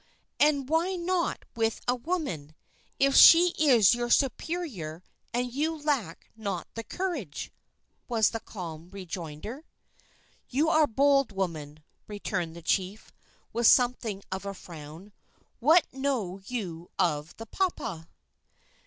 "And why not with a woman, if she is your superior and you lack not the courage?" was the calm rejoinder. "You are bold, woman," returned the chief, with something of a frown. "What know you of the papa?"